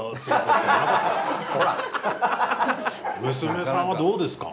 娘さんはどうですか？